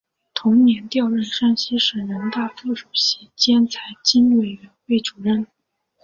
同年调任山西省人大副主任兼财经委员会主任。